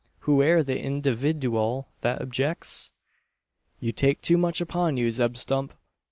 Who air the individooal that objecks?" "You take too much upon you, Zeb Stump.